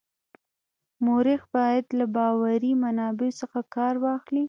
مورخ باید له باوري منابعو څخه کار واخلي.